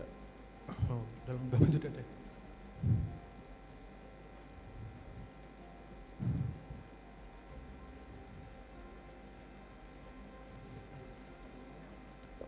oh di dalam bap tidak ada